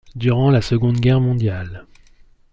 Durant la Seconde Guerre mondiale.